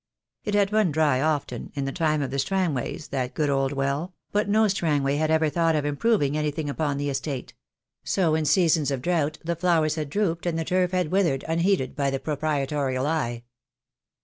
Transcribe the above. It had run dry often, in the time of the Strang ways, that good old well; but no Strangway had ever thought of improving anything upon the estate; so in seasons of drought the flowers had drooped and the turf had withered unheeded by the proprietorial eye.